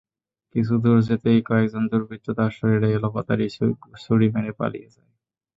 কিছু দূর যেতেই কয়েকজন দুর্বৃত্ত তাঁর শরীরে এলোপাতাড়ি ছুরি মেরে পালিয়ে যায়।